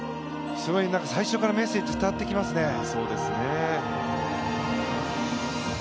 すごい最初からメッセージが伝わってきますね。